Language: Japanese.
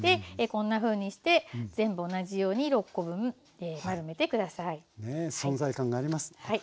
こんなふうにして全部同じように６コ分丸めて下さい。ね。